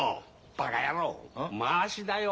バカヤローまわしだよ。